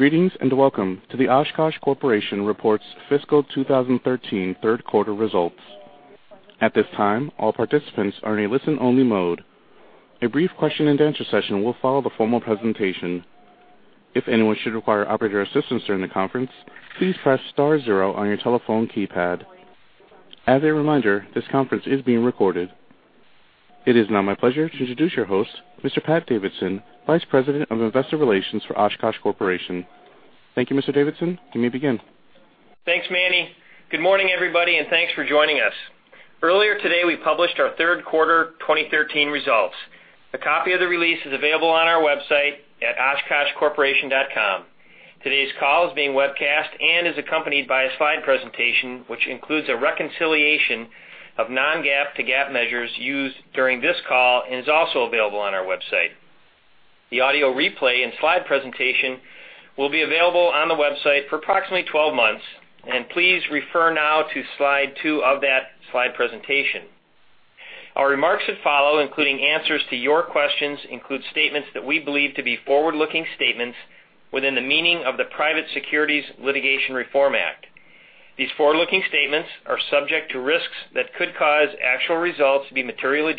Greetings and welcome to the Oshkosh Corporation report's fiscal 2013 third quarter results. At this time, all participants are in a listen-only mode. A brief question-and-answer session will follow the formal presentation. If anyone should require operator assistance during the conference, please press star zero on your telephone keypad. As a reminder, this conference is being recorded. It is now my pleasure to introduce your host, Mr. Pat Davidson, Vice President of Investor Relations for Oshkosh Corporation. Thank you, Mr. Davidson. You may begin. Thanks, Manny. Good morning, everybody, and thanks for joining us. Earlier today, we published our third quarter 2013 results. A copy of the release is available on our website at oshkoshcorporation.com. Today's call is being webcast and is accompanied by a slide presentation which includes a reconciliation of Non-GAAP to GAAP measures used during this call and is also available on our website. The audio replay and slide presentation will be available on the website for approximately 12 months, and please refer now to slide two of that slide presentation. Our remarks that follow, including answers to your questions, include statements that we believe to be forward-looking statements within the meaning of the Private Securities Litigation Reform Act. These forward-looking statements are subject to risks that could cause actual results to be materially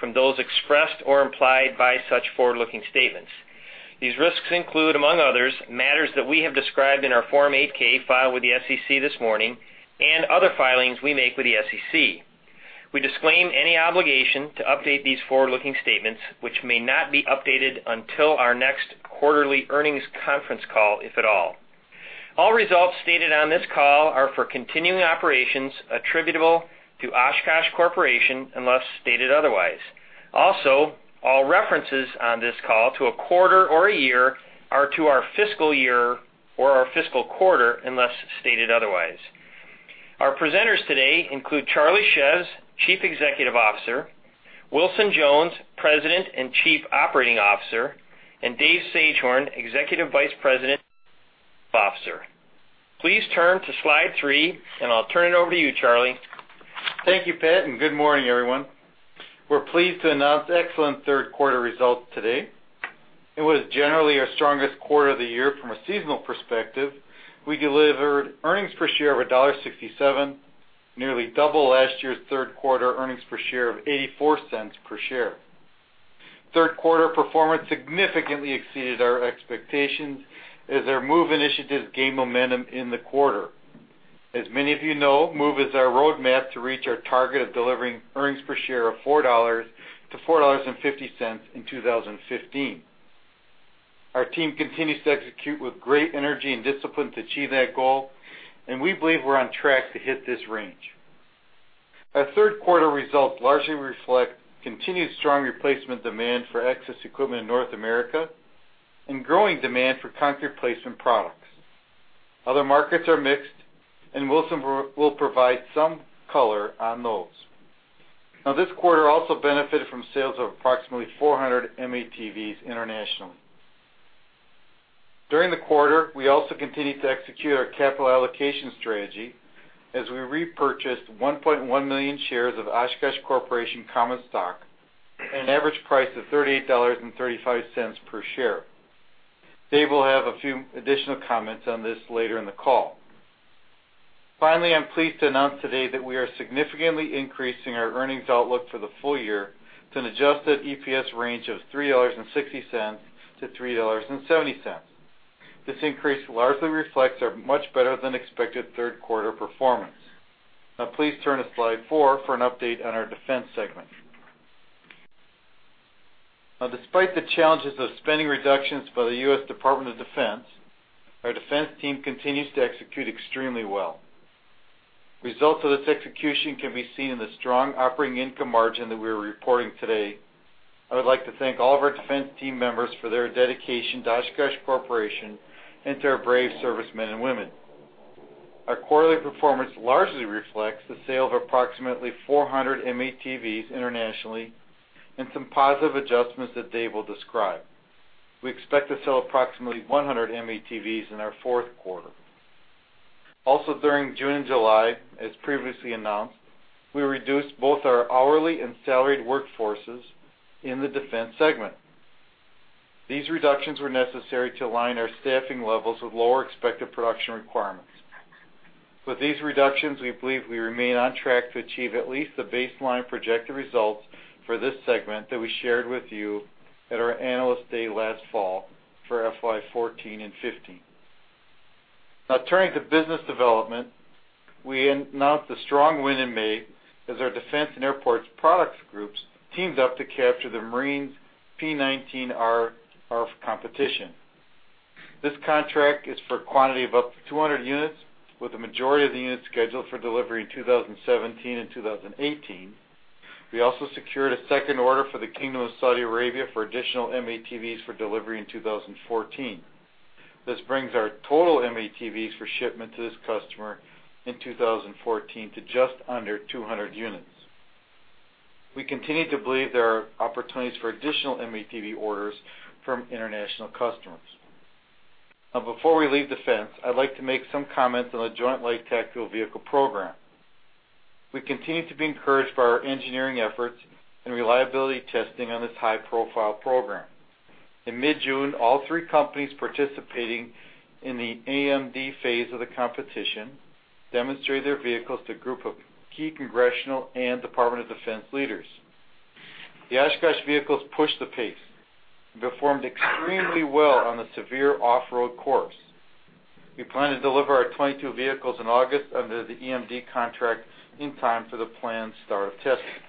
different from those expressed or implied by such forward-looking statements. These risks include, among others, matters that we have described in our Form 8-K filed with the SEC this morning and other filings we make with the SEC. We disclaim any obligation to update these forward-looking statements, which may not be updated until our next quarterly earnings conference call, if at all. All results stated on this call are for continuing operations attributable to Oshkosh Corporation unless stated otherwise. Also, all references on this call to a quarter or a year are to our fiscal year or our fiscal quarter unless stated otherwise. Our presenters today include Charles Szews, Chief Executive Officer, Wilson Jones, President and Chief Operating Officer, and David Sagehorn, Executive Vice President and Chief Financial Officer. Please turn to slide three, and I'll turn it over to you, Charlie. Thank you, Pat, and good morning, everyone. We're pleased to announce excellent third quarter results today. It was generally our strongest quarter of the year from a seasonal perspective. We delivered earnings per share of $1.67, nearly double last year's third quarter earnings per share of $0.84 per share. Third quarter performance significantly exceeded our expectations as our MOVE initiatives gained momentum in the quarter. As many of you know, MOVE is our roadmap to reach our target of delivering earnings per share of $4-$4.50 in 2015. Our team continues to execute with great energy and discipline to achieve that goal, and we believe we're on track to hit this range. Our third quarter results largely reflect continued strong replacement demand for Access Equipment in North America and growing demand for concrete placement products. Other markets are mixed, and Wilson will provide some color on those. Now, this quarter also benefited from sales of approximately 400 M-ATVs internationally. During the quarter, we also continued to execute our capital allocation strategy as we repurchased 1.1 million shares of Oshkosh Corporation Common Stock at an average price of $38.35 per share. Dave will have a few additional comments on this later in the call. Finally, I'm pleased to announce today that we are significantly increasing our earnings outlook for the full year to an adjusted EPS range of $3.60-$3.70. This increase largely reflects our much better-than-expected third quarter performance. Now, please turn to slide four for an update on our Defense segment. Now, despite the challenges of spending reductions by the U.S. Department of Defense, our Defense team continues to execute extremely well. Results of this execution can be seen in the strong operating income margin that we are reporting today. I would like to thank all of our Defense team members for their dedication to Oshkosh Corporation and to our brave servicemen and women. Our quarterly performance largely reflects the sale of approximately 400 M-ATVs internationally and some positive adjustments that Dave will describe. We expect to sell approximately 100 M-ATVs in our fourth quarter. Also, during June and July, as previously announced, we reduced both our hourly and salaried workforces in the Defense segment. These reductions were necessary to align our staffing levels with lower expected production requirements. With these reductions, we believe we remain on track to achieve at least the baseline projected results for this segment that we shared with you at our Analyst Day last fall for FY 2014 and 2015. Now, turning to business development, we announced a strong win in May as our Defense and Airport Products groups teamed up to capture the Marine P-19R competition. This contract is for a quantity of up to 200 units, with the majority of the units scheduled for delivery in 2017 and 2018. We also secured a second order for the Kingdom of Saudi Arabia for additional M-ATVs for delivery in 2014. This brings our total M-ATVs for shipment to this customer in 2014 to just under 200 units. We continue to believe there are opportunities for additional M-ATV orders from international customers. Now, before we leave Defense, I'd like to make some comments on the Joint Light Tactical Vehicle Program. We continue to be encouraged by our engineering efforts and reliability testing on this high-profile program. In mid-June, all three companies participating in the EMD phase of the competition demonstrated their vehicles to a group of key congressional and Department of Defense leaders. The Oshkosh vehicles pushed the pace and performed extremely well on the severe off-road course. We plan to deliver our 22 vehicles in August under the EMD contract in time for the planned start of testing.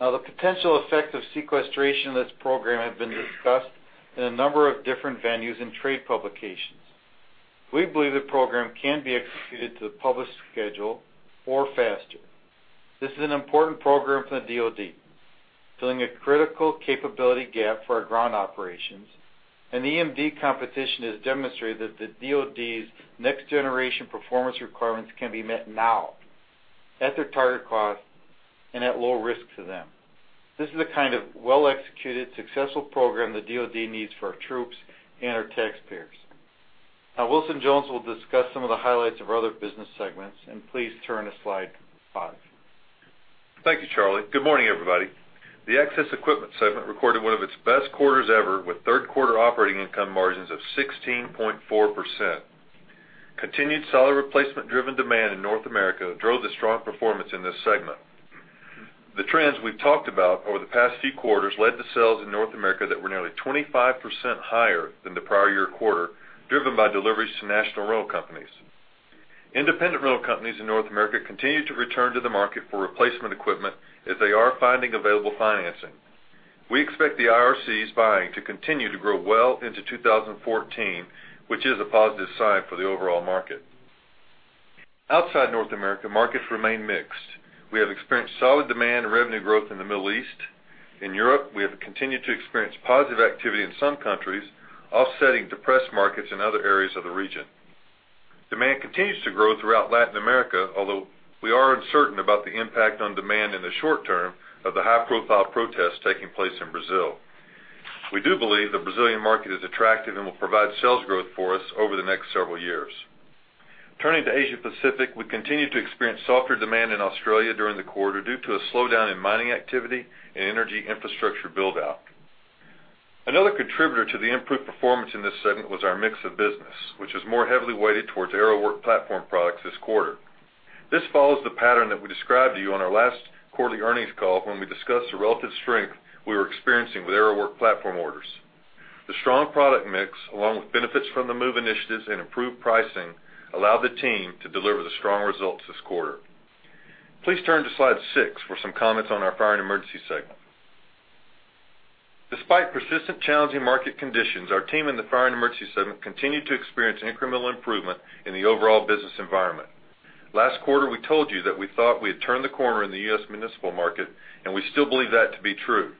Now, the potential effects of sequestration of this program have been discussed in a number of different venues and trade publications. We believe the program can be executed to the published schedule or faster. This is an important program for the DOD, filling a critical capability gap for our ground operations, and the EMD competition has demonstrated that the DOD's next-generation performance requirements can be met now at their target cost and at low risk to them. This is the kind of well-executed, successful program the DOD needs for our troops and our taxpayers. Now, Wilson Jones will discuss some of the highlights of other business segments, and please turn to slide five. Thank you, Charlie. Good morning, everybody. The Access Equipment segment recorded one of its best quarters ever with third quarter operating income margins of 16.4%. Continued solid replacement-driven demand in North America drove the strong performance in this segment. The trends we've talked about over the past few quarters led to sales in North America that were nearly 25% higher than the prior year quarter, driven by deliveries to national rental companies. Independent rental companies in North America continue to return to the market for replacement equipment as they are finding available financing. We expect the IRCs buying to continue to grow well into 2014, which is a positive sign for the overall market. Outside North America, markets remain mixed. We have experienced solid demand and revenue growth in the Middle East. In Europe, we have continued to experience positive activity in some countries, offsetting depressed markets in other areas of the region. Demand continues to grow throughout Latin America, although we are uncertain about the impact on demand in the short term of the high-profile protests taking place in Brazil. We do believe the Brazilian market is attractive and will provide sales growth for us over the next several years. Turning to Asia-Pacific, we continue to experience softer demand in Australia during the quarter due to a slowdown in mining activity and energy infrastructure build-out. Another contributor to the improved performance in this segment was our mix of business, which is more heavily weighted towards aerial work platform products this quarter. This follows the pattern that we described to you on our last quarterly earnings call when we discussed the relative strength we were experiencing with aerial work platform orders. The strong product mix, along with benefits from the MOVE Initiatives and improved pricing, allowed the team to deliver the strong results this quarter. Please turn to slide six for some comments on our Fire & Emergency segment. Despite persistent challenging market conditions, our team and the Fire & Emergency segment continue to experience incremental improvement in the overall business environment. Last quarter, we told you that we thought we had turned the corner in the U.S. municipal market, and we still believe that to be true.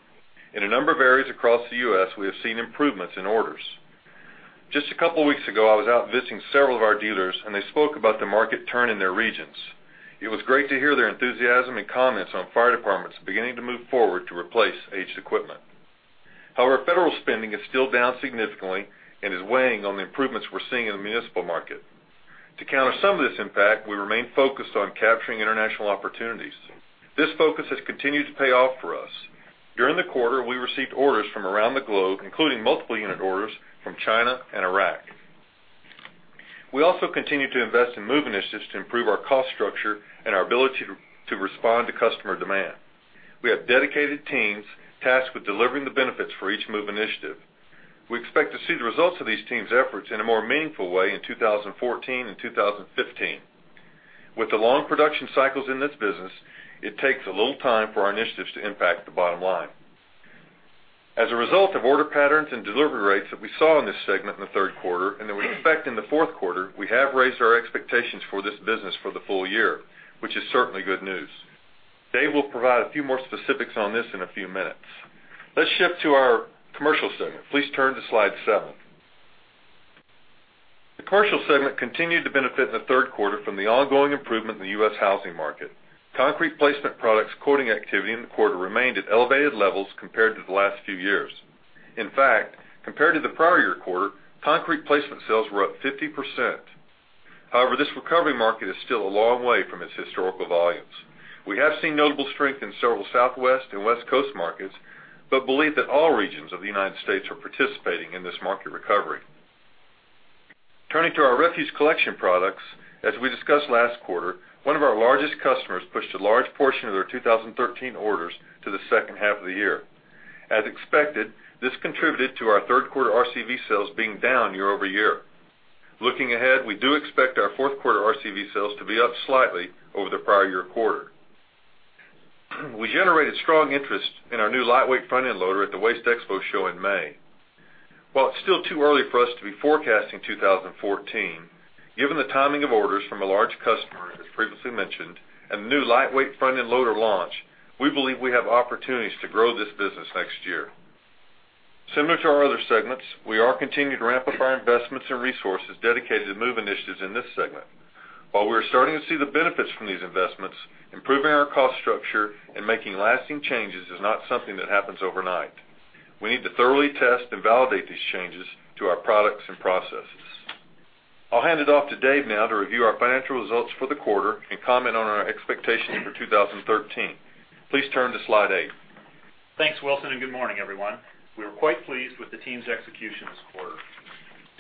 In a number of areas across the U.S., we have seen improvements in orders. Just a couple of weeks ago, I was out visiting several of our dealers, and they spoke about the market turn in their regions. It was great to hear their enthusiasm and comments on fire departments beginning to move forward to replace aged equipment. However, federal spending is still down significantly and is weighing on the improvements we're seeing in the municipal market. To counter some of this impact, we remain focused on capturing international opportunities. This focus has continued to pay off for us. During the quarter, we received orders from around the globe, including multiple unit orders from China and Iraq. We also continue to invest in MOVE Initiatives to improve our cost structure and our ability to respond to customer demand. We have dedicated teams tasked with delivering the benefits for each MOVE initiative. We expect to see the results of these teams' efforts in a more meaningful way in 2014 and 2015. With the long production cycles in this business, it takes a little time for our initiatives to impact the bottom line. As a result of order patterns and delivery rates that we saw in this segment in the third quarter and that we expect in the fourth quarter, we have raised our expectations for this business for the full year, which is certainly good news. Dave will provide a few more specifics on this in a few minutes. Let's shift to our Commercial segment. Please turn to slide seven. The Commercial segment continued to benefit in the third quarter from the ongoing improvement in the U.S. housing market. Concrete placement products' quoting activity in the quarter remained at elevated levels compared to the last few years. In fact, compared to the prior year quarter, concrete placement sales were up 50%. However, this recovery market is still a long way from its historical volumes. We have seen notable strength in several Southwest and West Coast markets but believe that all regions of the United States are participating in this market recovery. Turning to our refuse collection products, as we discussed last quarter, one of our largest customers pushed a large portion of their 2013 orders to the second half of the year. As expected, this contributed to our third quarter RCV sales being down year-over-year. Looking ahead, we do expect our fourth quarter RCV sales to be up slightly over the prior year quarter. We generated strong interest in our new Lightweight Front-End Loader at the WasteExpo show in May. While it's still too early for us to be forecasting 2014, given the timing of orders from a large customer as previously mentioned and the new Lightweight Front-End Loader launch, we believe we have opportunities to grow this business next year. Similar to our other segments, we are continuing to ramp up our investments and resources dedicated to MOVE Initiatives in this segment. While we are starting to see the benefits from these investments, improving our cost structure and making lasting changes is not something that happens overnight. We need to thoroughly test and validate these changes to our products and processes. I'll hand it off to Dave now to review our financial results for the quarter and comment on our expectations for 2013. Please turn to slide eight. Thanks, Wilson, and good morning, everyone. We were quite pleased with the team's execution this quarter.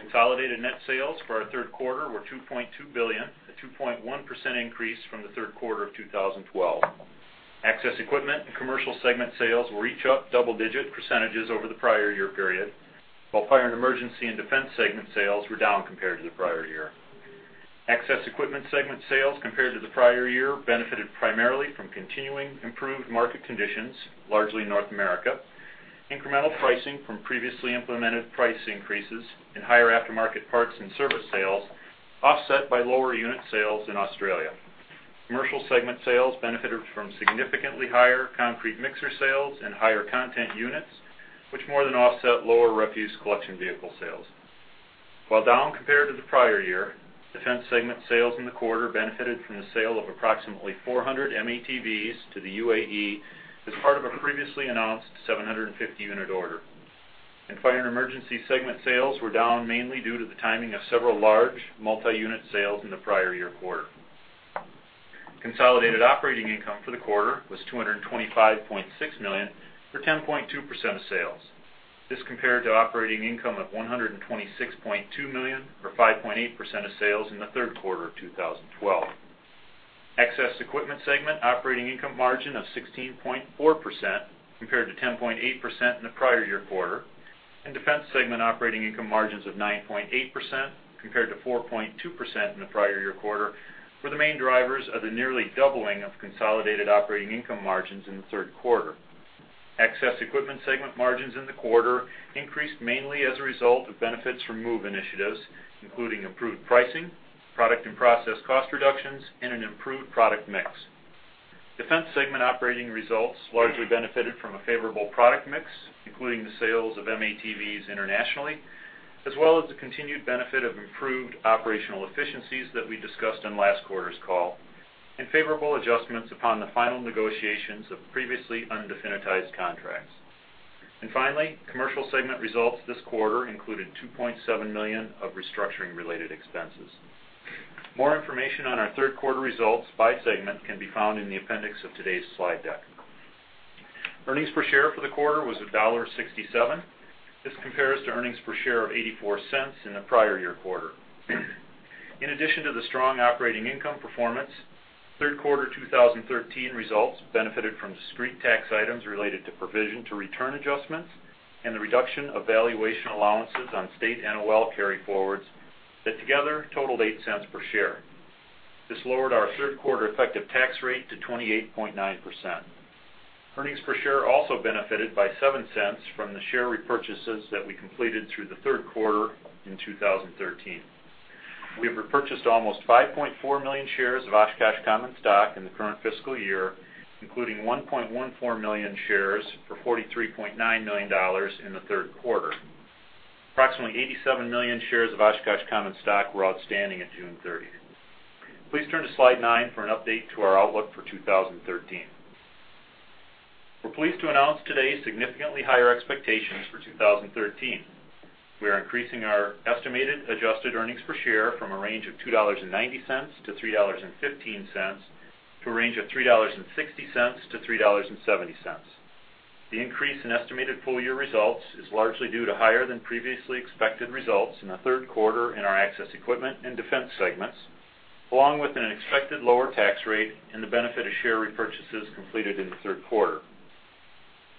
Consolidated net sales for our third quarter were $2.2 billion, a 2.1% increase from the third quarter of 2012. Access Equipment and Commercial segment sales were each up double-digit percentages over the prior year period, while Fire & Emergency and Defense segment sales were down compared to the prior year. Access Equipment segment sales compared to the prior year benefited primarily from continuing improved market conditions, largely in North America. Incremental pricing from previously implemented price increases and higher aftermarket parts and service sales offset by lower unit sales in Australia. Commercial segment sales benefited from significantly higher concrete mixer sales and higher content units, which more than offset lower refuse collection vehicle sales. While down compared to the prior year, Defense segment sales in the quarter benefited from the sale of approximately 400 M-ATVs to the UAE as part of a previously announced 750-unit order. Fire & Emergency segment sales were down mainly due to the timing of several large multi-unit sales in the prior year quarter. Consolidated operating income for the quarter was $225.6 million for 10.2% of sales. This compared to operating income of $126.2 million or 5.8% of sales in the third quarter of 2012. Access Equipment segment operating income margin of 16.4% compared to 10.8% in the prior year quarter, and Defense segment operating income margins of 9.8% compared to 4.2% in the prior year quarter were the main drivers of the nearly doubling of consolidated operating income margins in the third quarter. Access Equipment segment margins in the quarter increased mainly as a result of benefits from MOVE Initiatives, including improved pricing, product and process cost reductions, and an improved product mix. Defense segment operating results largely benefited from a favorable product mix, including the sales of M-ATVs internationally, as well as the continued benefit of improved operational efficiencies that we discussed in last quarter's call and favorable adjustments upon the final negotiations of previously undefinitized contracts. And finally, Commercial segment results this quarter included $2.7 million of restructuring-related expenses. More information on our third quarter results by segment can be found in the appendix of today's slide deck. Earnings per share for the quarter was $1.67. This compares to earnings per share of $0.84 in the prior year quarter. In addition to the strong operating income performance, third quarter 2013 results benefited from discrete tax items related to provision to return adjustments and the reduction of valuation allowances on state NOL carryforwards that together totaled $0.08 per share. This lowered our third quarter effective tax rate to 28.9%. Earnings per share also benefited by $0.07 from the share repurchases that we completed through the third quarter in 2013. We have repurchased almost 5.4 million shares of Oshkosh Common Stock in the current fiscal year, including 1.14 million shares for $43.9 million in the third quarter. Approximately 87 million shares of Oshkosh Common Stock were outstanding at June 30th. Please turn to slide nine for an update to our outlook for 2013. We're pleased to announce today's significantly higher expectations for 2013. We are increasing our estimated adjusted earnings per share from a range of $2.90-$3.15 to a range of $3.60-$3.70. The increase in estimated full-year results is largely due to higher than previously expected results in the third quarter in our Access Equipment and Defense segments, along with an expected lower tax rate and the benefit of share repurchases completed in the third quarter.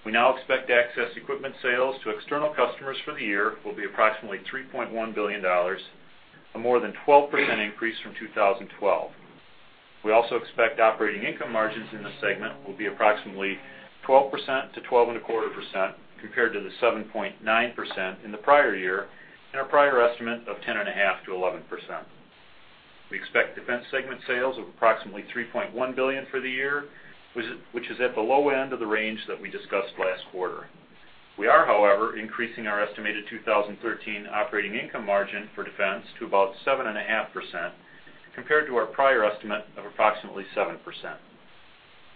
We now expect Access Equipment sales to external customers for the year will be approximately $3.1 billion, a more than 12% increase from 2012. We also expect operating income margins in the segment will be approximately 12%-12.25% compared to the 7.9% in the prior year and our prior estimate of 10.5%-11%. We expect Defense segment sales of approximately $3.1 billion for the year, which is at the low end of the range that we discussed last quarter. We are, however, increasing our estimated 2013 operating income margin for Defense to about 7.5% compared to our prior estimate of approximately 7%.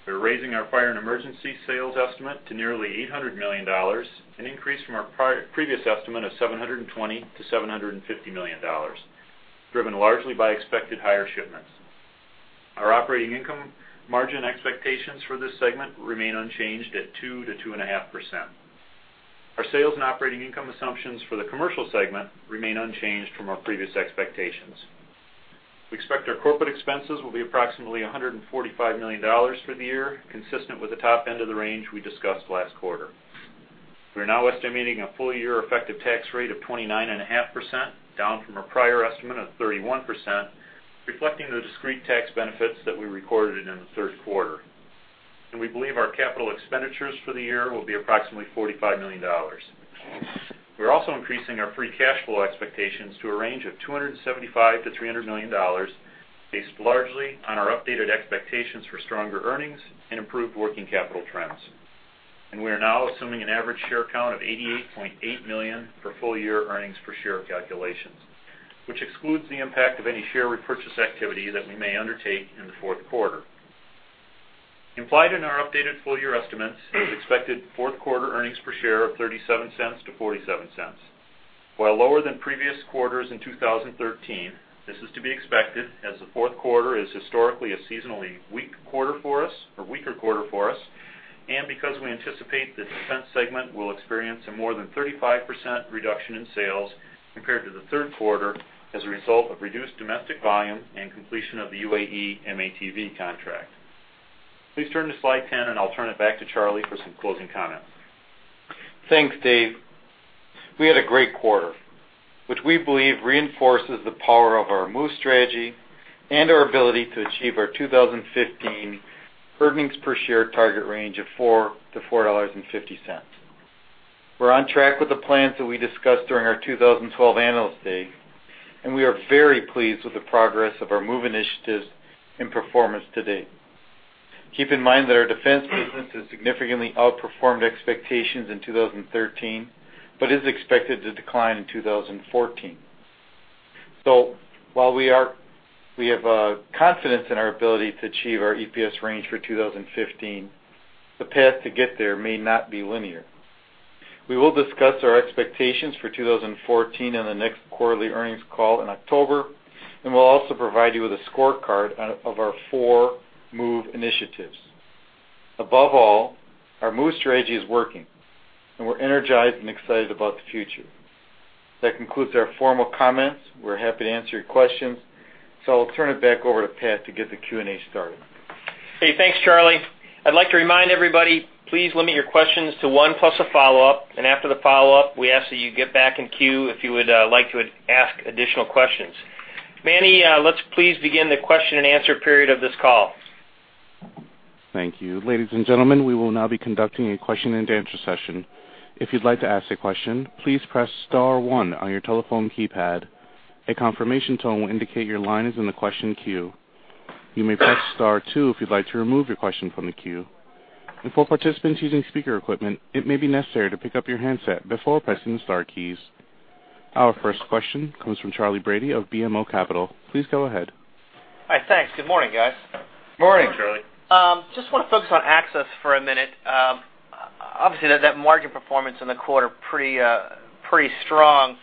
We're raising our Fire & Emergency sales estimate to nearly $800 million, an increase from our previous estimate of $720 million-$750 million, driven largely by expected higher shipments. Our operating income margin expectations for this segment remain unchanged at 2%-2.5%. Our sales and operating income assumptions for the Commercial segment remain unchanged from our previous expectations. We expect our corporate expenses will be approximately $145 million for the year, consistent with the top end of the range we discussed last quarter. We are now estimating a full-year effective tax rate of 29.5%, down from our prior estimate of 31%, reflecting the discrete tax benefits that we recorded in the third quarter. We believe our capital expenditures for the year will be approximately $45 million. We're also increasing our free cash flow expectations to a range of $275 million-$300 million, based largely on our updated expectations for stronger earnings and improved working capital trends. We are now assuming an average share count of 88.8 million for full-year earnings per share calculations, which excludes the impact of any share repurchase activity that we may undertake in the fourth quarter. Implied in our updated full-year estimates is expected fourth quarter earnings per share of $0.37-$0.47. While lower than previous quarters in 2013, this is to be expected as the fourth quarter is historically a seasonally weaker quarter for us and because we anticipate the Defense segment will experience a more than 35% reduction in sales compared to the third quarter as a result of reduced domestic volume and completion of the UAE M-ATV contract. Please turn to slide 10, and I'll turn it back to Charlie for some closing comments. Thanks, Dave. We had a great quarter, which we believe reinforces the power of our MOVE strategy and our ability to achieve our 2015 earnings per share target range of $4-$4.50. We're on track with the plans that we discussed during our 2012 Analyst Day, and we are very pleased with the progress of our MOVE initiatives and performance to date. Keep in mind that our Defense business has significantly outperformed expectations in 2013 but is expected to decline in 2014. So while we have confidence in our ability to achieve our EPS range for 2015, the path to get there may not be linear. We will discuss our expectations for 2014 in the next quarterly earnings call in October, and we'll also provide you with a scorecard of our four MOVE initiatives. Above all, our MOVE strategy is working, and we're energized and excited about the future. That concludes our formal comments. We're happy to answer your questions, so I'll turn it back over to Pat to get the Q&A started. Hey, thanks, Charlie. I'd like to remind everybody, please limit your questions to one plus a follow-up, and after the follow-up, we ask that you get back in queue if you would like to ask additional questions. Manny, let's please begin the question and answer period of this call. Thank you. Ladies and gentlemen, we will now be conducting a question-and-answer session. If you'd like to ask a question, please press star one on your telephone keypad. A confirmation tone will indicate your line is in the question queue. You may press star two if you'd like to remove your question from the queue. For participants using speaker equipment, it may be necessary to pick up your handset before pressing the star keys. Our first question comes from Charlie Brady of BMO Capital. Please go ahead. Hi, thanks. Good morning, guys. Morning, Charlie. Just want to focus on Access for a minute. Obviously, that margin performance in the quarter was pretty strong.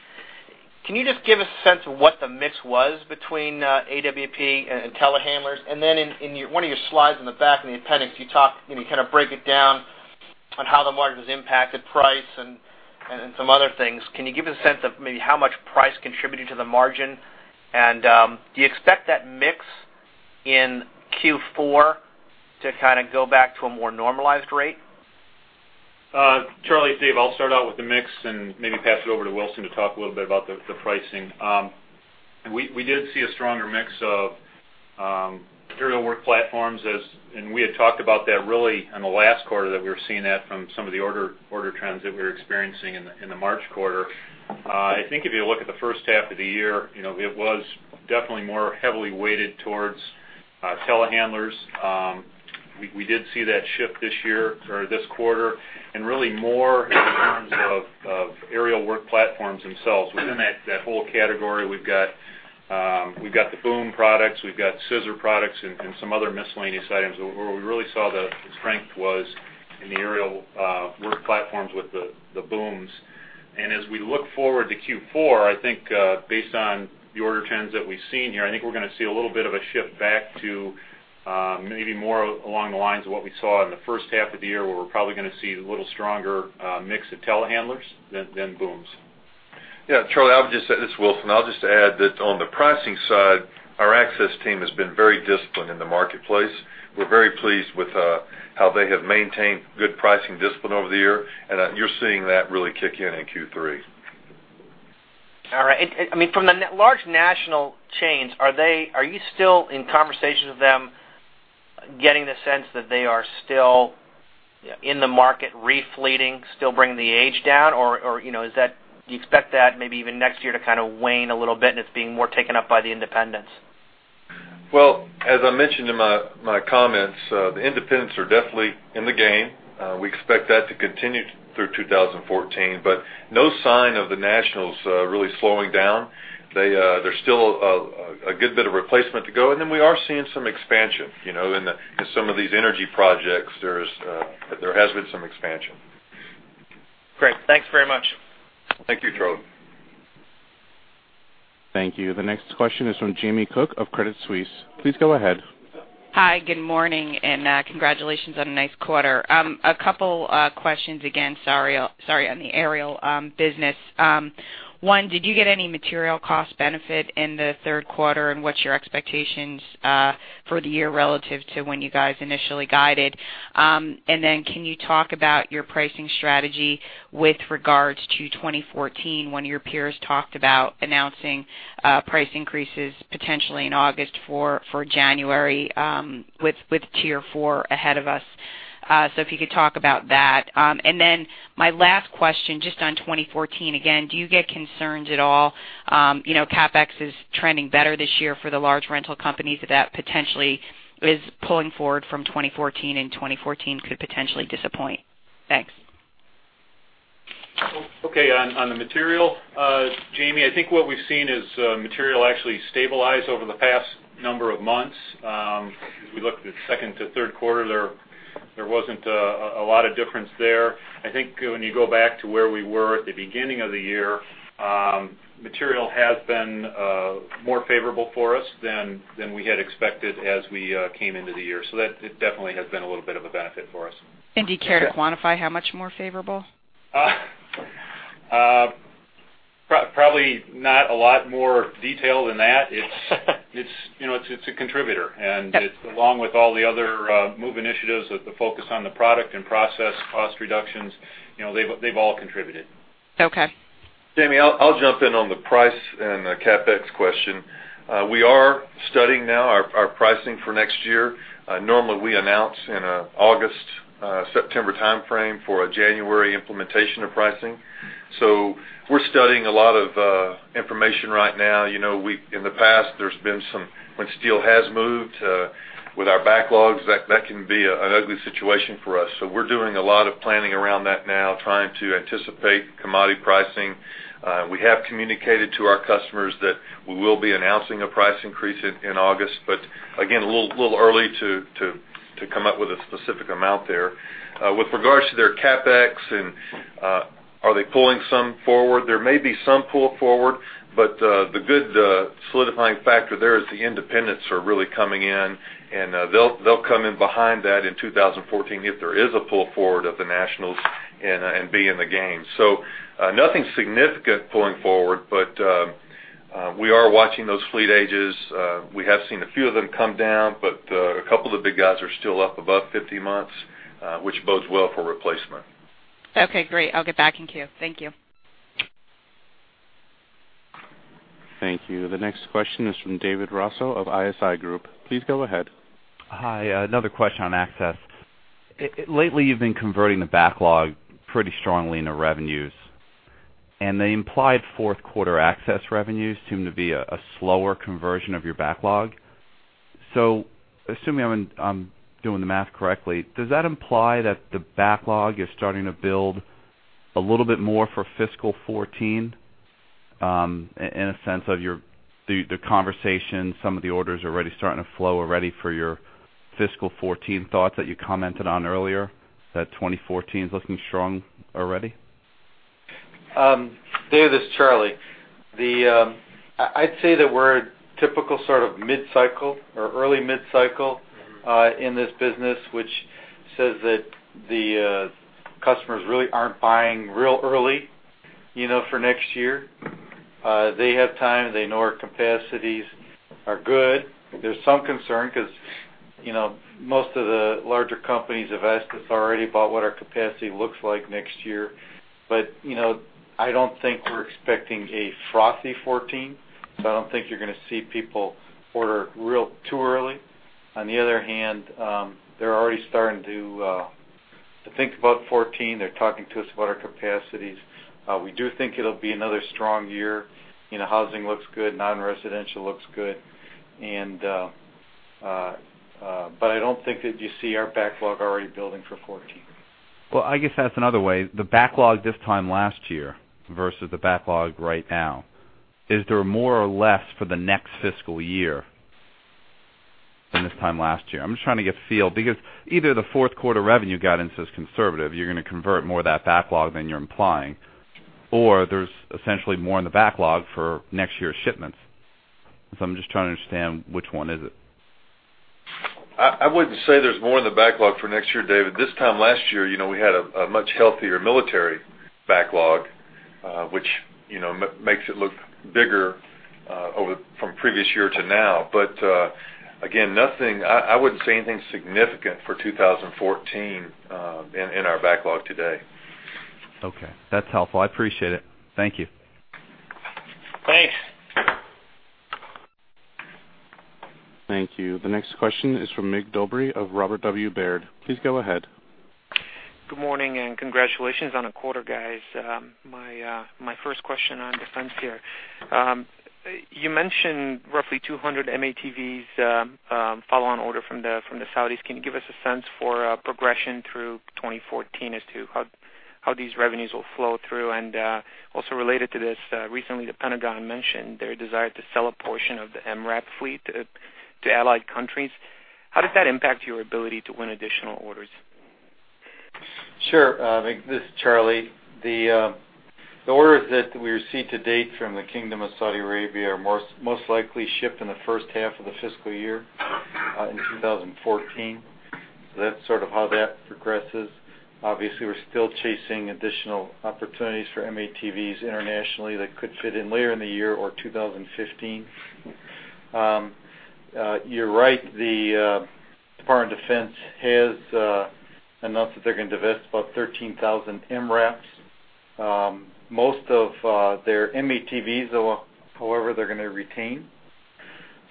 Can you just give us a sense of what the mix was between AWP and telehandlers? And then in one of your slides in the back in the appendix, you kind of break it down on how the margin was impacted, price, and some other things. Can you give us a sense of maybe how much price contributed to the margin? And do you expect that mix in Q4 to kind of go back to a more normalized rate? Charlie, Dave, I'll start out with the mix and maybe pass it over to Wilson to talk a little bit about the pricing. We did see a stronger mix of aerial work platforms, and we had talked about that really in the last quarter that we were seeing that from some of the order trends that we were experiencing in the March quarter. I think if you look at the first half of the year, it was definitely more heavily weighted towards telehandlers. We did see that shift this year or this quarter, and really more in terms of aerial work platforms themselves. Within that whole category, we've got the boom products, we've got scissor products, and some other miscellaneous items. Where we really saw the strength was in the aerial work platforms with the booms. As we look forward to Q4, I think based on the order trends that we've seen here, I think we're going to see a little bit of a shift back to maybe more along the lines of what we saw in the first half of the year, where we're probably going to see a little stronger mix of telehandlers than booms. Yeah, Charlie, I'll just. This is Wilson. I'll just add that on the pricing side, our Access team has been very disciplined in the marketplace. We're very pleased with how they have maintained good pricing discipline over the year, and you're seeing that really kick in in Q3. All right. I mean, from the large national chains, are you still in conversations with them, getting the sense that they are still in the market refleeting, still bringing the age down? Or do you expect that maybe even next year to kind of wane a little bit and it's being more taken up by the independents? Well, as I mentioned in my comments, the independents are definitely in the game. We expect that to continue through 2014, but no sign of the nationals really slowing down. There's still a good bit of replacement to go. And then we are seeing some expansion in some of these energy projects. There has been some expansion. Great. Thanks very much. Thank you, Charles. Thank you. The next question is from Jamie Cook of Credit Suisse. Please go ahead. Hi, good morning, and congratulations on a nice quarter. A couple of questions again, sorry, on the aerial business. One, did you get any material cost benefit in the third quarter, and what's your expectations for the year relative to when you guys initially guided? And then can you talk about your pricing strategy with regards to 2014 when your peers talked about announcing price increases potentially in August for January with Tier 4 ahead of us? So if you could talk about that. And then my last question just on 2014, again, do you get concerns at all? CapEx is trending better this year for the large rental companies that potentially is pulling forward from 2014, and 2014 could potentially disappoint. Thanks. Okay. On the material, Jamie, I think what we've seen is material actually stabilize over the past number of months. If we look at the second to third quarter, there wasn't a lot of difference there. I think when you go back to where we were at the beginning of the year, material has been more favorable for us than we had expected as we came into the year. So that definitely has been a little bit of a benefit for us. Do you care to quantify how much more favorable? Probably not a lot more detail than that. It's a contributor, and along with all the other MOVE Initiatives with the focus on the product and process cost reductions, they've all contributed. Jamie, I'll jump in on the price and CapEx question. We are studying now our pricing for next year. Normally, we announce in an August, September timeframe for a January implementation of pricing. So we're studying a lot of information right now. In the past, there's been some, when steel has moved with our backlogs, that can be an ugly situation for us. So we're doing a lot of planning around that now, trying to anticipate commodity pricing. We have communicated to our customers that we will be announcing a price increase in August, but again, a little early to come up with a specific amount there. With regards to their CapEx, are they pulling some forward? There may be some pull forward, but the good solidifying factor there is the independents are really coming in, and they'll come in behind that in 2014 if there is a pull forward of the nationals and be in the game. So nothing significant pulling forward, but we are watching those fleet ages. We have seen a few of them come down, but a couple of the big guys are still up above 50 months, which bodes well for replacement. Okay, great. I'll get back in queue. Thank you. Thank you. The next question is from David Raso of ISI Group. Please go ahead. Hi, another question on Access. Lately, you've been converting the backlog pretty strongly into revenues, and the implied fourth quarter Access revenues seem to be a slower conversion of your backlog. So assuming I'm doing the math correctly, does that imply that the backlog is starting to build a little bit more for fiscal 2014 in a sense of the conversation, some of the orders already starting to flow already for your fiscal 2014 thoughts that you commented on earlier, that 2014 is looking strong already? Dave, this is Charlie. I'd say that we're a typical sort of mid-cycle or early mid-cycle in this business, which says that the customers really aren't buying real early for next year. They have time. They know our capacities are good. There's some concern because most of the larger companies have asked us already about what our capacity looks like next year, but I don't think we're expecting a frothy 2014. So I don't think you're going to see people order real too early. On the other hand, they're already starting to think about 2014. They're talking to us about our capacities. We do think it'll be another strong year. Housing looks good. Non-residential looks good. But I don't think that you see our backlog already building for 2014. Well, I guess that's another way. The backlog this time last year versus the backlog right now, is there more or less for the next fiscal year than this time last year? I'm just trying to get a feel because either the fourth quarter revenue guidance is conservative. You're going to convert more of that backlog than you're implying, or there's essentially more in the backlog for next year's shipments. So I'm just trying to understand which one is it? I wouldn't say there's more in the backlog for next year, David. This time last year, we had a much healthier military backlog, which mix it look bigger from previous year to now. But again, I wouldn't say anything significant for 2014 in our backlog today. Okay. That's helpful. I appreciate it. Thank you. Thanks. Thank you. The next question is from Mig Dobre of Robert W. Baird. Please go ahead. Good morning and congratulations on a quarter, guys. My first question on Defense here. You mentioned roughly 200 M-ATVs follow-on order from the Saudis. Can you give us a sense for progression through 2014 as to how these revenues will flow through? And also related to this, recently the Pentagon mentioned their desire to sell a portion of the MRAP fleet to allied countries. How does that impact your ability to win additional orders? Sure. This is Charlie. The orders that we receive to date from the Kingdom of Saudi Arabia are most likely shipped in the first half of the fiscal year in 2014. So that's sort of how that progresses. Obviously, we're still chasing additional opportunities for M-ATVs internationally that could fit in later in the year or 2015. You're right. The Department of Defense has announced that they're going to divest about 13,000 MRAPs. Most of their M-ATVs, however, they're going to retain.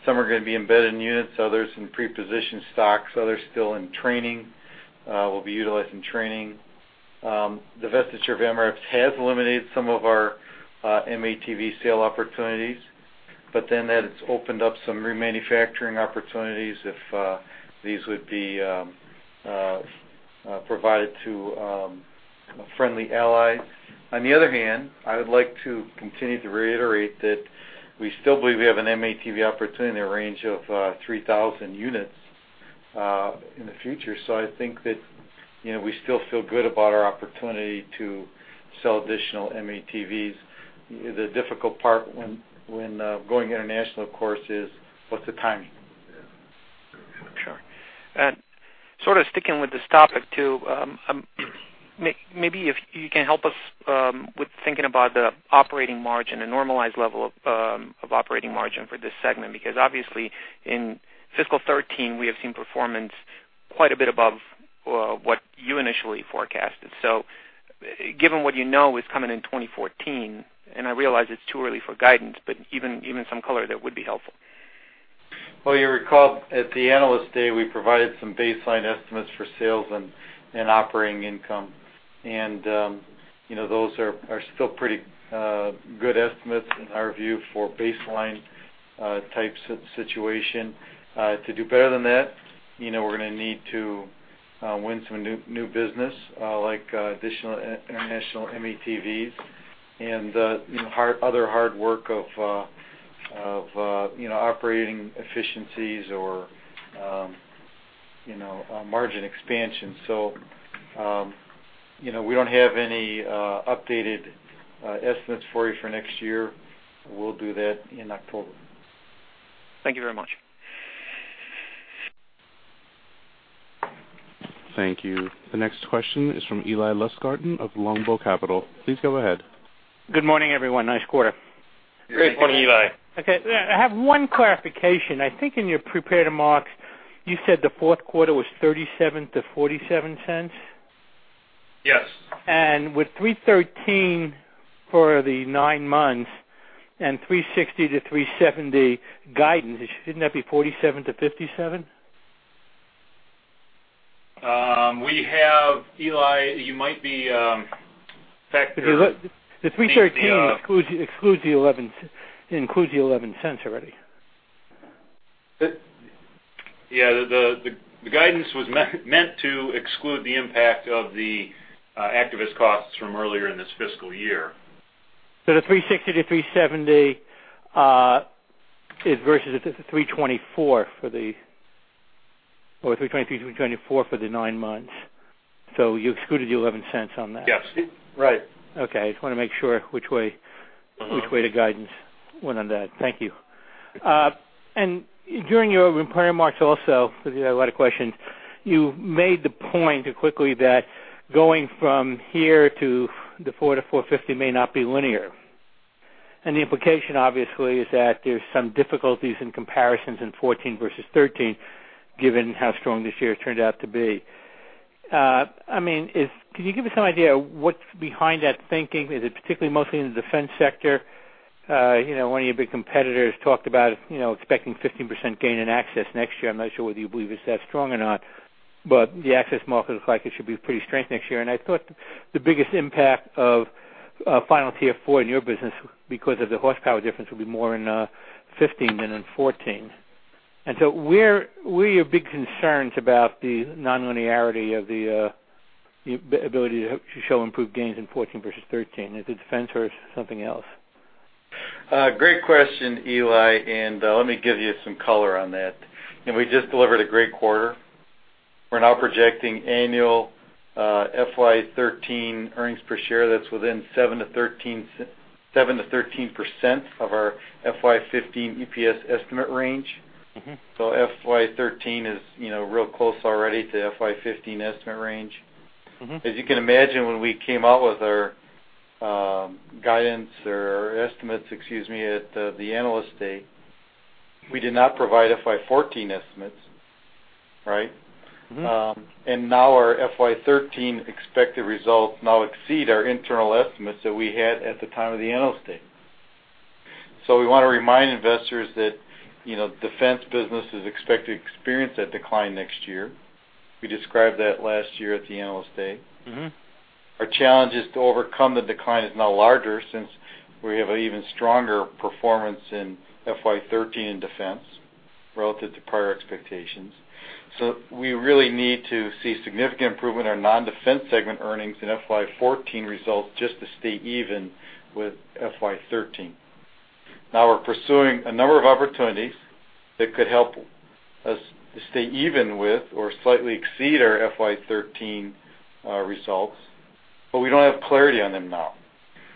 Some are going to be embedded in units, others in pre-positioned stocks, others still in training, will be utilized in training. Divestiture of MRAPs has eliminated some of our M-ATV sale opportunities, but then that has opened up some remanufacturing opportunities if these would be provided to friendly allies. On the other hand, I would like to continue to reiterate that we still believe we have an M-ATV opportunity in the range of 3,000 units in the future. So I think that we still feel good about our opportunity to sell additional M-ATVs. The difficult part when going international, of course, is what's the timing. Sure. And sort of sticking with this topic too, maybe if you can help us with thinking about the operating margin, the normalized level of operating margin for this segment, because obviously in fiscal 2013, we have seen performance quite a bit above what you initially forecasted. So given what you know is coming in 2014, and I realize it's too early for guidance, but even some color there would be helpful. Well, you'll recall at the Analyst Day, we provided some baseline estimates for sales and operating income, and those are still pretty good estimates in our view for baseline type situation. To do better than that, we're going to need to win some new business like additional international M-ATVs and other hard work of operating efficiencies or margin expansion. So we don't have any updated estimates for you for next year. We'll do that in October. Thank you very much. Thank you. The next question is from Eli Lustgarten of Longbow Research. Please go ahead. Good morning, everyone. Nice quarter. Good morning, Eli. Okay. I have one clarification. I think in your prepared amounts, you said the fourth quarter was $0.37-$0.47? Yes. With 313 for the nine months and 360-370 guidance, shouldn't that be 47-57? We have, Eli, you might be factoring in. The $3.13 excludes the $0.11 already. Yeah. The guidance was meant to exclude the impact of the activist costs from earlier in this fiscal year. The $3.60-$3.70 versus the $3.24 for the, or $3.23-$3.24 for the nine months. So you excluded the $0.11 on that. Yes. Right. Okay. I just want to make sure which way the guidance went on that. Thank you. And during your prepared remarks also, because we had a lot of questions, you made the point quickly that going from here to the $400-$450 may not be linear. And the implication, obviously, is that there's some difficulties in comparisons in 2014 versus 2013, given how strong this year turned out to be. I mean, can you give us some idea what's behind that thinking? Is it particularly mostly in the Defense sector? One of your big competitors talked about expecting 15% gain in Access next year. I'm not sure whether you believe it's that strong or not, but the Access market looks like it should be pretty strong next year. I thought the biggest impact of final Tier 4 in your business because of the horsepower difference would be more in 2015 than in 2014. So where are your big concerns about the non-linearity of the ability to show improved gains in 2014 versus 2013? Is it Defense or something else? Great question, Eli. And let me give you some color on that. We just delivered a great quarter. We're now projecting annual FY 2013 earnings per share. That's within 7%-13% of our FY 2015 EPS estimate range. So FY 2013 is real close already to FY 2015 estimate range. As you can imagine, when we came out with our guidance or our estimates, excuse me, at the Analyst Day, we did not provide FY 2014 estimates, right? And now our FY 2013 expected results now exceed our internal estimates that we had at the time of the Analyst Day. So we want to remind investors that Defense businesses expect to experience that decline next year. We described that last year at the Analyst Day. Our challenge is to overcome the decline, which is now larger, since we have an even stronger performance in FY 2013 in Defense relative to prior expectations. So we really need to see significant improvement in our non-Defense segment earnings in FY 2014 results just to stay even with FY 2013. Now we're pursuing a number of opportunities that could help us to stay even with or slightly exceed our FY 2013 results, but we don't have clarity on them now.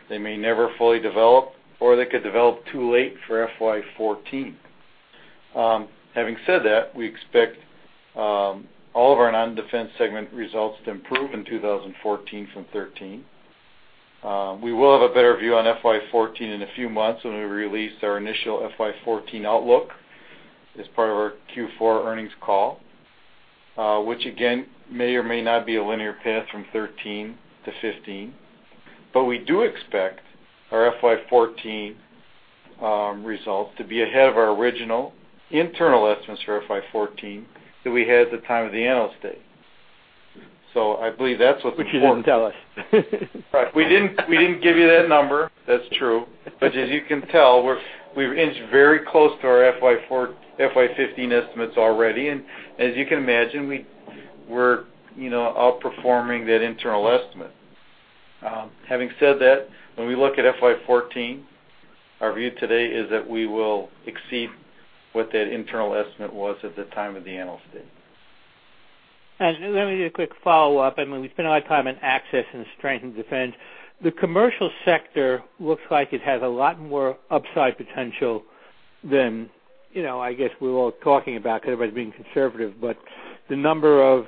They may never fully develop, or they could develop too late for FY 2014. Having said that, we expect all of our non-Defense segment results to improve in 2014 from 2013. We will have a better view on FY 2014 in a few months when we release our initial FY 2014 outlook as part of our Q4 earnings call, which again may or may not be a linear path from 2013 to 2015. But we do expect our FY 2014 results to be ahead of our original internal estimates for FY 2014 that we had at the time of the Analyst Day. So I believe that's what the quarter. Which you didn't tell us. Right. We didn't give you that number. That's true. But as you can tell, we've inched very close to our FY 2015 estimates already. And as you can imagine, we're outperforming that internal estimate. Having said that, when we look at FY 2014, our view today is that we will exceed what that internal estimate was at the time of the Analyst Day. Let me do a quick follow-up. I mean, we spent a lot of time on Access and strength in Defense. The Commercial sector looks like it has a lot more upside potential than I guess we're all talking about because everybody's being conservative. But the number of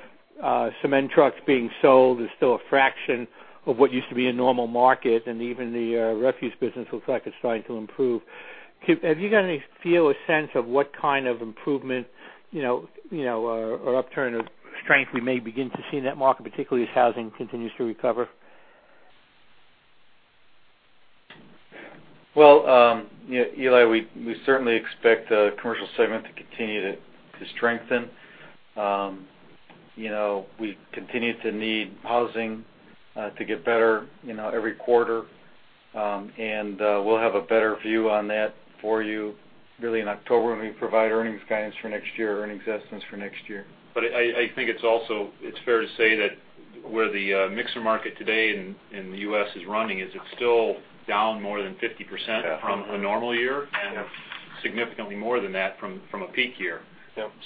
cement trucks being sold is still a fraction of what used to be a normal market. And even the refuse business looks like it's starting to improve. Have you got any feel or sense of what kind of improvement or upturn or strength we may begin to see in that market, particularly as housing continues to recover? Well, Eli, we certainly expect the Commercial segment to continue to strengthen. We continue to need housing to get better every quarter. We'll have a better view on that for you really in October when we provide earnings guidance for next year or earnings estimates for next year. But I think it's fair to say that where the mixer market today in the U.S. is running, it's still down more than 50% from a normal year and significantly more than that from a peak year.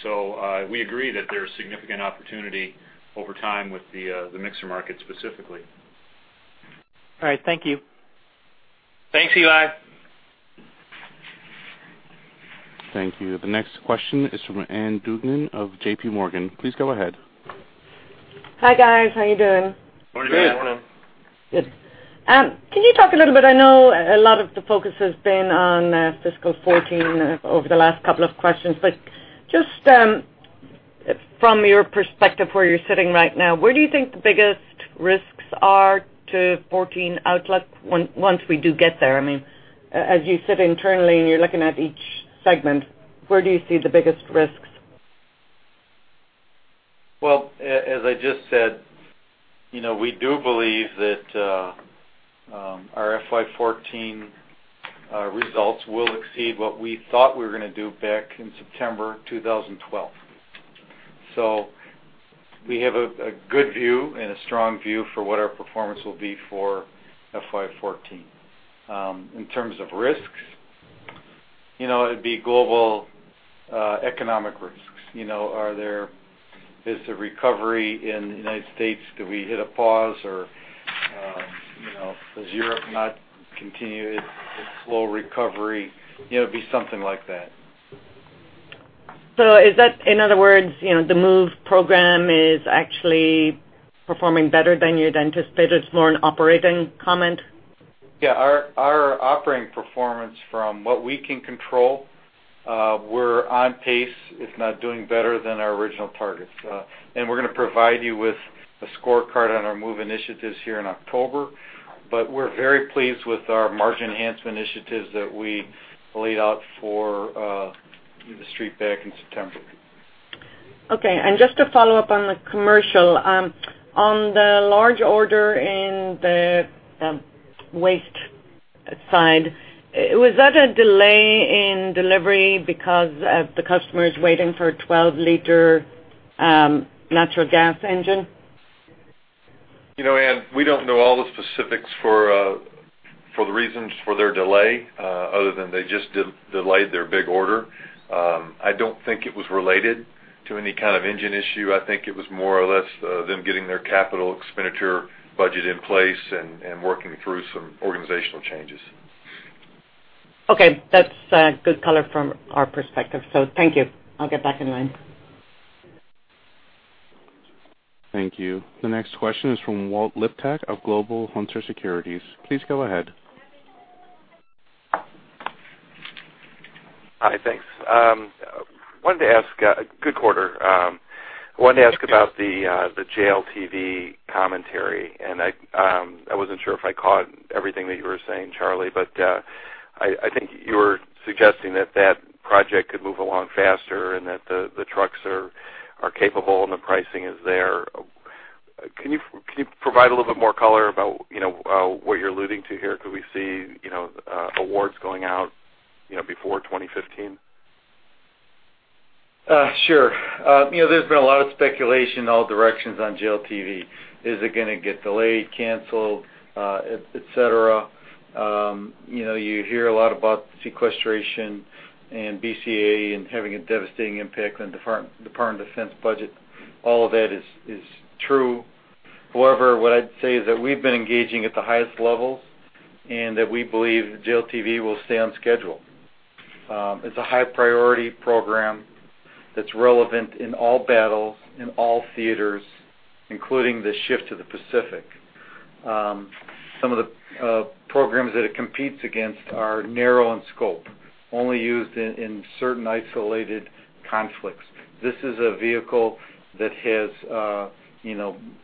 So we agree that there's significant opportunity over time with the mixer market specifically. All right. Thank you. Thanks, Eli. Thank you. The next question is from Ann Duignan of J.P. Morgan. Please go ahead. Hi, guys. How are you doing? Good. Good. Good. Good. Can you talk a little bit? I know a lot of the focus has been on fiscal 2014 over the last couple of questions. But just from your perspective where you're sitting right now, where do you think the biggest risks are to 2014 outlook once we do get there? I mean, as you sit internally and you're looking at each segment, where do you see the biggest risks? Well, as I just said, we do believe that our FY 2014 results will exceed what we thought we were going to do back in September 2012. So we have a good view and a strong view for what our performance will be for FY 2014. In terms of risks, it'd be global economic risks. Is the recovery in the United States? Did we hit a pause? Or does Europe not continue its slow recovery? It'd be something like that. Is that, in other words, the MOVE program actually performing better than you'd anticipated? It's more an operating comment? Yeah. Our operating performance from what we can control, we're on pace, if not doing better than our original targets. And we're going to provide you with a scorecard on our MOVE Initiatives here in October. But we're very pleased with our margin enhancement initiatives that we laid out for the street back in September. Okay. And just to follow up on the Commercial, on the large order in the waste side, was that a delay in delivery because the customer is waiting for a 12 L natural gas engine? Ann, we don't know all the specifics for the reasons for their delay other than they just delayed their big order. I don't think it was related to any kind of engine issue. I think it was more or less them getting their capital expenditure budget in place and working through some organizational changes. Okay. That's good color from our perspective. So thank you. I'll get back in line. Thank you. The next question is from Walt Liptak of Global Hunter Securities. Please go ahead. Hi. Thanks. I wanted to ask about the JLTV commentary. I wasn't sure if I caught everything that you were saying, Charlie, but I think you were suggesting that that project could move along faster and that the trucks are capable and the pricing is there. Can you provide a little bit more color about what you're alluding to here? Could we see awards going out before 2015? Sure. There's been a lot of speculation in all directions on JLTV. Is it going to get delayed, canceled, etc.? You hear a lot about sequestration and BCA and having a devastating impact on the Department of Defense budget. All of that is true. However, what I'd say is that we've been engaging at the highest levels and that we believe JLTV will stay on schedule. It's a high-priority program that's relevant in all battles, in all theaters, including the shift to the Pacific. Some of the programs that it competes against are narrow in scope, only used in certain isolated conflicts. This is a vehicle that has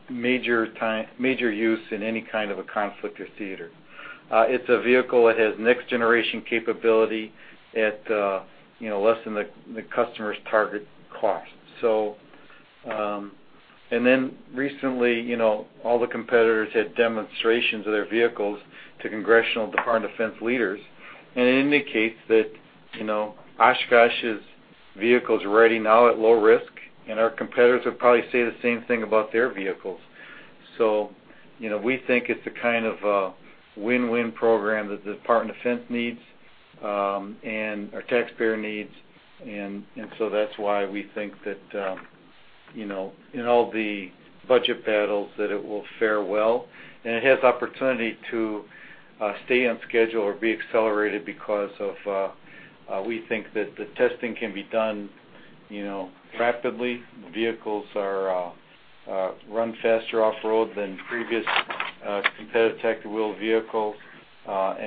major use in any kind of a conflict or theater. It's a vehicle that has next-generation capability at less than the customer's target cost. And then recently, all the competitors had demonstrations of their vehicles to congressional Department of Defense leaders. It indicates that Oshkosh's vehicles are already now at low risk, and our competitors would probably say the same thing about their vehicles. So we think it's the kind of win-win program that the Department of Defense needs and our taxpayers need. That's why we think that in all the budget battles it will fare well. It has the opportunity to stay on schedule or be accelerated because we think that the testing can be done rapidly. The vehicles run faster off-road than previous competitive 8-wheeled vehicles.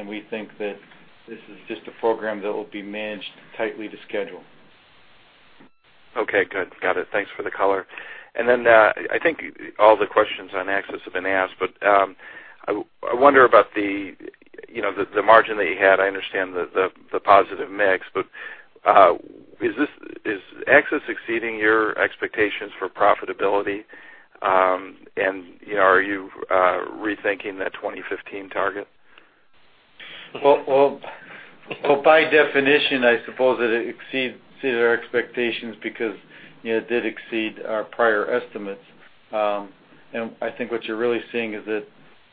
We think that this is just a program that will be managed tightly to schedule. Okay. Good. Got it. Thanks for the color. And then I think all the questions on Access have been asked. But I wonder about the margin that you had. I understand the positive mix. But is Access exceeding your expectations for profitability? And are you rethinking that 2015 target? Well, by definition, I suppose that it exceeds our expectations because it did exceed our prior estimates. I think what you're really seeing is that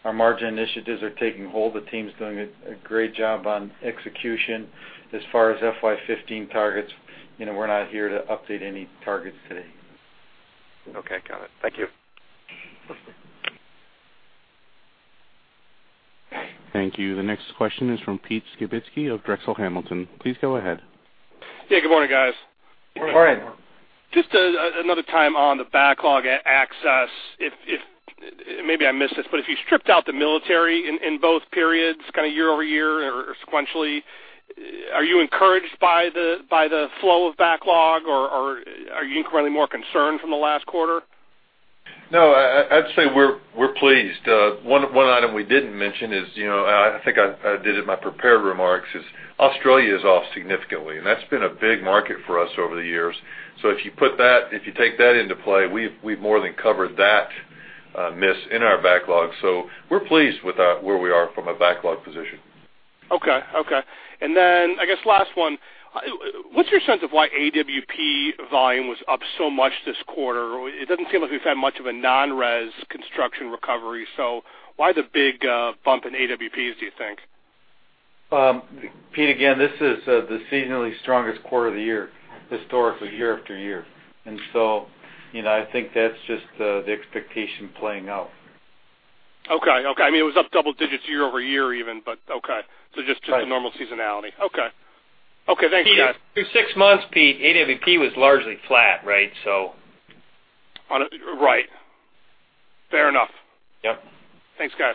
our margin initiatives are taking hold. The team's doing a great job on execution. As far as FY 2015 targets, we're not here to update any targets today. Okay. Got it. Thank you. Thank you. The next question is from Peter Skibitski of Drexel Hamilton. Please go ahead. Yeah. Good morning, guys. Morning. Morning. Just another time on the backlog at Access. Maybe I missed this, but if you stripped out the military in both periods, kind of year-over-year or sequentially, are you encouraged by the flow of backlog? Or are you incrementally more concerned from the last quarter? No. I'd say we're pleased. One item we didn't mention is, I think I did it in my prepared remarks, is Australia is off significantly. And that's been a big market for us over the years. So if you take that into play, we've more than covered that miss in our backlog. So we're pleased with where we are from a backlog position. Okay. Okay. And then I guess last one. What's your sense of why AWP volume was up so much this quarter? It doesn't seem like we've had much of a non-res construction recovery. So why the big bump in AWPs, do you think? Pete, again, this is the seasonally strongest quarter of the year, historically, year after year. And so I think that's just the expectation playing out. Okay. Okay. I mean, it was up double digits year-over-year even. But okay. So just the normal seasonality. Okay. Okay. Thanks, guys. Three to six months, Pete. AWP was largely flat, right? So. Right. Fair enough. Yep. Thanks, guys.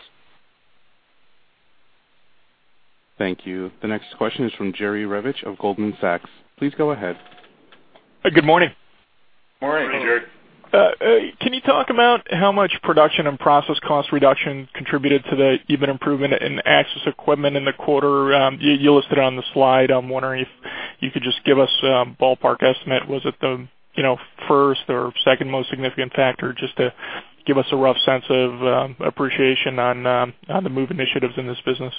Thank you. The next question is from Jerry Revich of Goldman Sachs. Please go ahead. Good morning. Morning, Jerry. Can you talk about how much production and process cost reduction contributed to the even improvement in Access Equipment in the quarter? You listed it on the slide. I'm wondering if you could just give us a ballpark estimate. Was it the first or second most significant factor? Just to give us a rough sense of appreciation on the MOVE Initiatives in this business.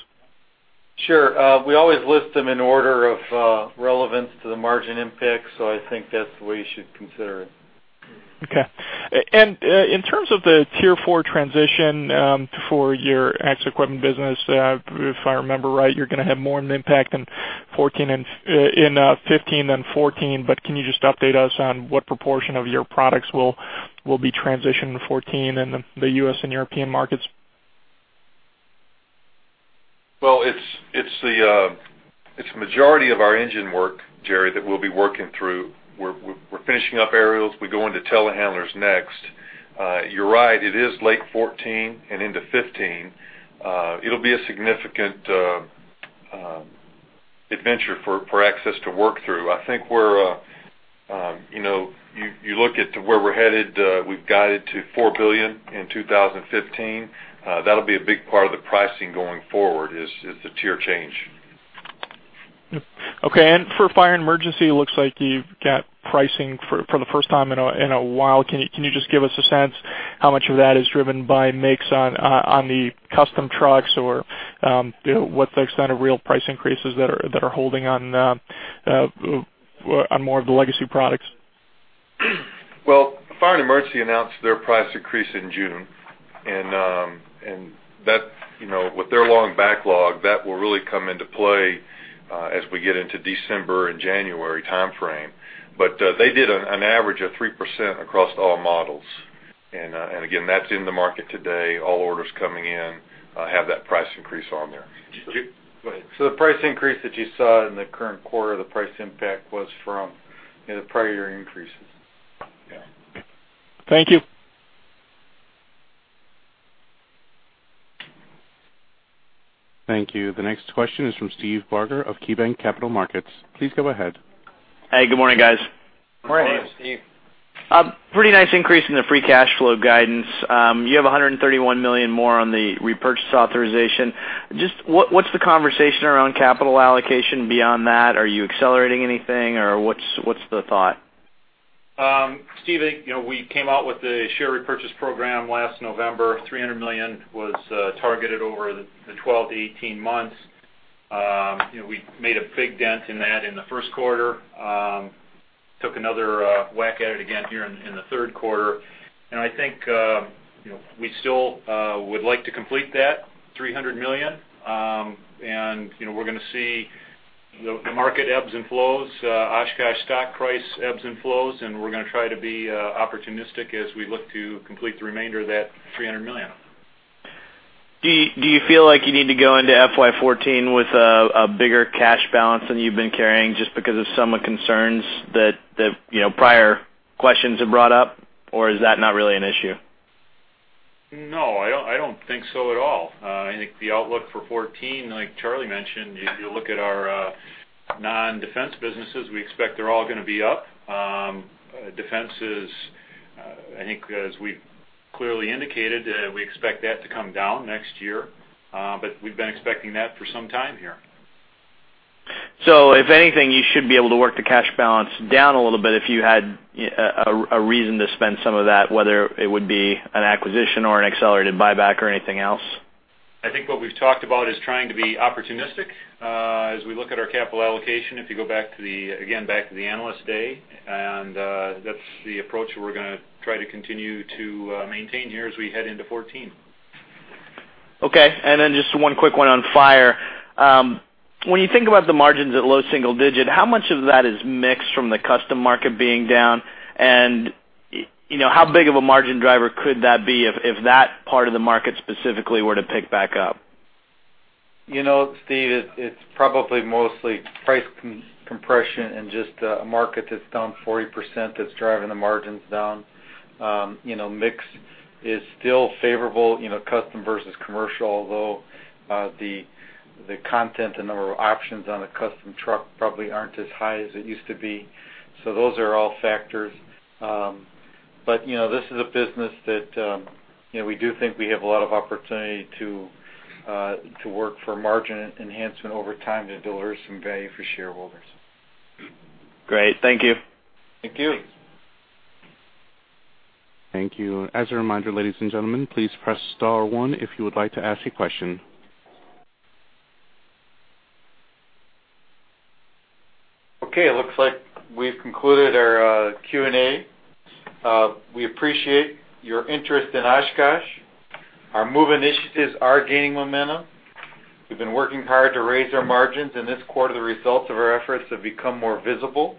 Sure. We always list them in order of relevance to the margin impact. So I think that's the way you should consider it. Okay. In terms of the Tier 4 transition for your Access Equipment business, if I remember right, you're going to have more of an impact in 2015 than 2014. But can you just update us on what proportion of your products will be transitioned in 2014 in the U.S. and European markets? Well, it's the majority of our engine work, Jerry, that we'll be working through. We're finishing up aerials. We go into telehandlers next. You're right. It is late 2014 and into 2015. It'll be a significant adventure for Access to work through. I think where you look at where we're headed, we've guided to $4 billion in 2015. That'll be a big part of the pricing going forward is the tier change. Okay. For Fire & Emergency, it looks like you've got pricing for the first time in a while. Can you just give us a sense how much of that is driven by mix on the custom trucks or what's the extent of real price increases that are holding on more of the legacy products? Well, Fire & Emergency announced their price increase in June. With their long backlog, that will really come into play as we get into December and January timeframe. They did an average of 3% across all models. Again, that's in the market today. All orders coming in have that price increase on there. The price increase that you saw in the current quarter. The price impact was from the prior year increases. Yeah. Thank you. Thank you. The next question is from Steve Barger of KeyBanc Capital Markets. Please go ahead. Hey. Good morning, guys. Morning. Morning, Steve. Pretty nice increase in the free cash flow guidance. You have $131 million more on the repurchase authorization. Just what's the conversation around capital allocation beyond that? Are you accelerating anything? Or what's the thought? Steve, we came out with the share repurchase program last November. $300 million was targeted over the 12-18 months. We made a big dent in that in the first quarter. Took another whack at it again here in the third quarter. And I think we still would like to complete that $300 million. And we're going to see the market ebbs and flows, Oshkosh stock price ebbs and flows. And we're going to try to be opportunistic as we look to complete the remainder of that $300 million. Do you feel like you need to go into FY 2014 with a bigger cash balance than you've been carrying just because of some of the concerns that prior questions have brought up? Or is that not really an issue? No. I don't think so at all. I think the outlook for 2014, like Charlie mentioned, you look at our non-Defense businesses, we expect they're all going to be up. Defense, I think as we've clearly indicated, we expect that to come down next year. But we've been expecting that for some time here. If anything, you should be able to work the cash balance down a little bit if you had a reason to spend some of that, whether it would be an acquisition or an accelerated buyback or anything else. I think what we've talked about is trying to be opportunistic as we look at our capital allocation. If you go back to the, again, back to the Analyst Day, and that's the approach we're going to try to continue to maintain here as we head into 2014. Okay. And then just one quick one on fire. When you think about the margins at low single digit, how much of that is mixed from the custom market being down? And how big of a margin driver could that be if that part of the market specifically were to pick back up? Steve, it's probably mostly price compression and just a market that's down 40% that's driving the margins down. Mix is still favorable, custom versus commercial, although the content, the number of options on a custom truck probably aren't as high as it used to be. So those are all factors. But this is a business that we do think we have a lot of opportunity to work for margin enhancement over time to deliver some value for shareholders. Great. Thank you. Thank you. Thank you. As a reminder, ladies and gentlemen, please press star one if you would like to ask a question. Okay. It looks like we've concluded our Q&A. We appreciate your interest in Oshkosh. Our MOVE Initiatives are gaining momentum. We've been working hard to raise our margins in this quarter. The results of our efforts have become more visible.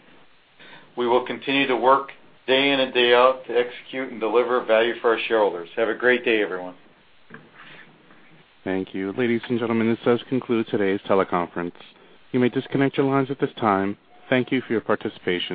We will continue to work day in and day out to execute and deliver value for our shareholders. Have a great day, everyone. Thank you. Ladies and gentlemen, this does conclude today's teleconference. You may disconnect your lines at this time. Thank you for your participation.